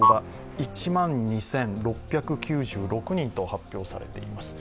１万２６９６人と発表されています。